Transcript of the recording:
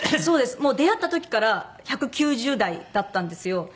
もう出会った時から１９０台だったんですよ。